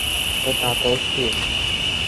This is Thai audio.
สตราโตสเฟียร์